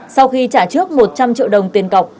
sau khi trả trước một trăm linh triệu đồng tiền cọc